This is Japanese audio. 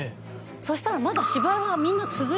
そしたらまだ。